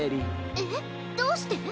えっどうして？